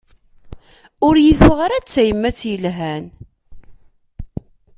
Ur yi-tuɣ ara d tayemmat yelhan.